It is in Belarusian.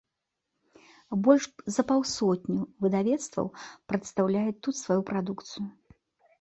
Больш за паўсотню выдавецтваў прадстаўляюць тут сваю прадукцыю.